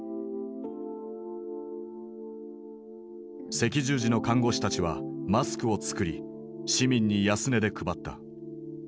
赤十字の看護師たちはマスクを作り市民に安値で配った。